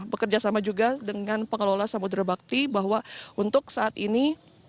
bekerja sama juga dengan pengelola samudera bakti bahwa untuk saat ini